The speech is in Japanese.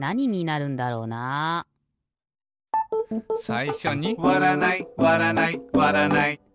さいしょに「わらないわらないわらない」